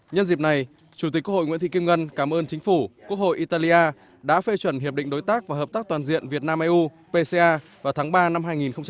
nhân dịp này chủ tịch quốc hội nguyễn thị kim ngân cảm ơn chính phủ quốc hội italia đã phê chuẩn hiệp định đối tác và hợp tác toàn diện việt nam eu pca vào tháng ba năm hai nghìn hai mươi